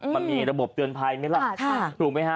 มันมีระบบเตือนภัยไหมล่ะถูกไหมฮะ